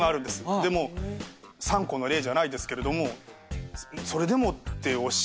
でも三顧の礼じゃないですけれども「それでも」っておっしゃってくださって。